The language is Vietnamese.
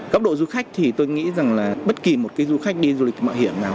góc độ du khách thì tôi nghĩ rằng là bất kỳ một cái du khách đi du lịch mạo hiểm nào